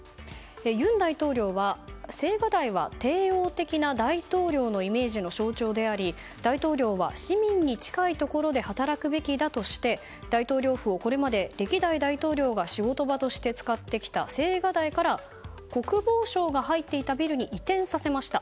尹大統領は青瓦台は帝王的な大統領のイメージの象徴であり大統領は市民に近いところで働くべきだとして大統領府をこれまで歴代大統領が仕事場として使ってきた青瓦台から、国防省が入っていたビルに移転させました。